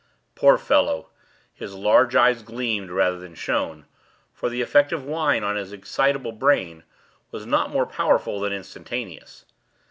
Poor fellow! his large eyes gleamed, rather than shone; for the effect of wine on his excitable brain was not more powerful than instantaneous.